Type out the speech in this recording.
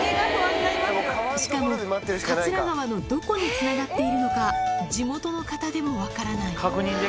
しかも、桂川のどこにつながっているのか、地元の方でも分からない。